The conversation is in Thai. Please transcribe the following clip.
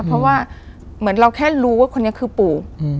เพราะว่าเหมือนเราแค่รู้ว่าคนนี้คือปู่